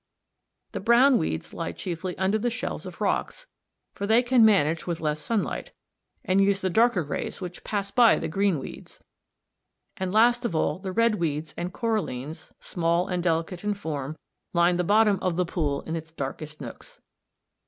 The brown weeds lie chiefly under the shelves of rocks, for they can manage with less sunlight, and use the darker rays which pass by the green weeds; and last of all, the red weeds and corallines, small and delicate in form, line the bottom of the pool in its darkest nooks.